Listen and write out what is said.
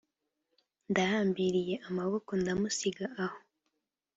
ndahambiriye amaboko ndamusiga aho.